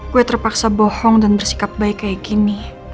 gue terpaksa bohong dan bersikap baik kayak gini